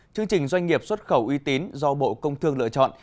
chương trình doanh nghiệp xuất khẩu uy tín do bộ công thương lựa chọn